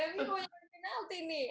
mu kebanyakan penalti nih